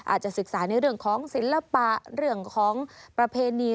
อาจจะศึกษาในเรื่องของศิลปะเรื่องของประเพณี